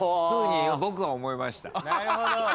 僕は思いました。